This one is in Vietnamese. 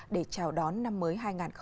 để chào đón năm mới hai nghìn hai mươi